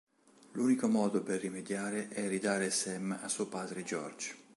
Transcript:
L'unico modo per rimediare è ridare Sam a suo padre, George.